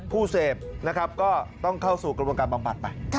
ผู้เสพนะครับก็ต้องเข้าสู่กระบวนการบำบัดไป